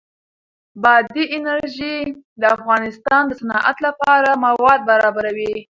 بادي انرژي د افغانستان د صنعت لپاره مواد برابروي.